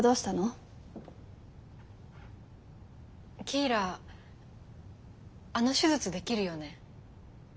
キーラあの手術できるよね？